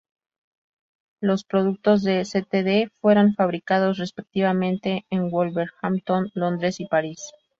Los productos de "S T D" fueron fabricados respectivamente en Wolverhampton, Londres y París.